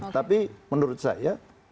tapi menurut saya